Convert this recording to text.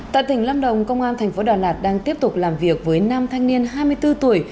tại tỉnh lâm đồng công an thành phố đà lạt đang tiếp tục làm việc với nam thanh niên hai mươi bốn tuổi